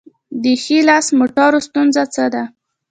د ښي لاس موټرو ستونزه څه ده؟